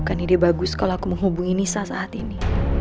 bukan ide bagus kalau aku menghubungi nisa saat ini